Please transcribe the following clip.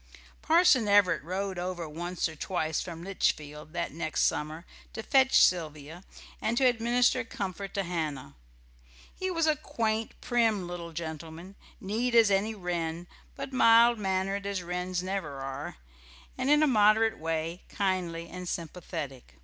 Parson Everett rode over once or twice from Litchfield that next summer to fetch Sylvia and to administer comfort to Hannah. He was a quaint, prim little gentleman, neat as any wren, but mild mannered as wrens never are, and in a moderate way kindly and sympathetic.